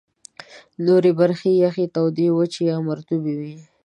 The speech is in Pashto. نورې برخې یخي، تودې، وچي یا مرطوبې وې.